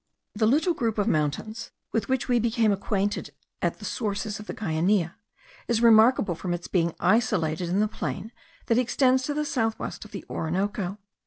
The little group of mountains with which we became acquainted at the sources of the Guainia, is remarkable from its being isolated in the plain that extends to the south west of the Orinoco.